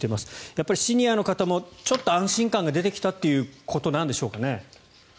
やっぱりシニアの方も安心感が出てきたということなんでしょうかね。